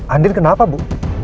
andin kenapa bu